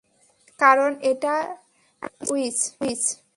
কারণ, এটা স্যান্ডউইচ!